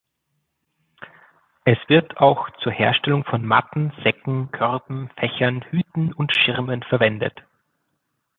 Es wird auch zur Herstellung von Matten, Säcken, Körben, Fächern, Hüten und Schirmen verwendet.